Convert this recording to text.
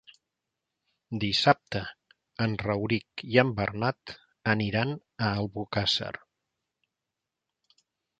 Dissabte en Rauric i en Bernat aniran a Albocàsser.